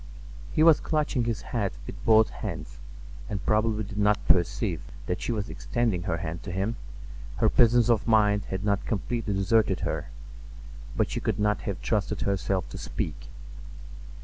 He was clutching his hat with both hands, and probably did not perceive that she was extending her hand to him, her presence of mind had not completely deserted her; but she could not have trusted herself to speak.